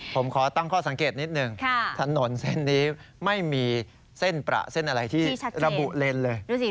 ผมขอตั้งข้อสังเกตนิดหนึ่งถนนเส้นนี้ไม่มีเส้นประเส้นอะไรที่ระบุเลนเลย